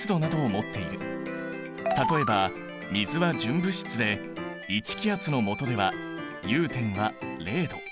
例えば水は純物質で１気圧のもとでは融点は０℃。